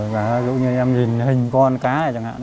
giả dụ như em nhìn hình con cá này chẳng hạn